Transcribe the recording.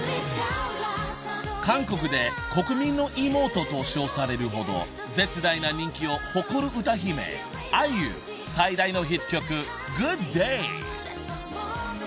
［韓国で国民の妹と称されるほど絶大な人気を誇る歌姫ＩＵ最大のヒット曲『ＧｏｏｄＤａｙ』］